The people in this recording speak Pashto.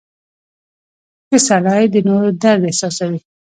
• ښه سړی د نورو درد احساسوي.